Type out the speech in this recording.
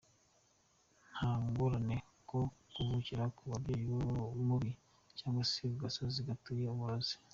Nta ngorane nko kuvukira ku mubyeyi mubi, cyangwa se ku gasozi gatuyeho umurozi.